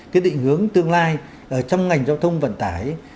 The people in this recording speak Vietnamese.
cái định hướng tương lai trong ngành giao thông vận tải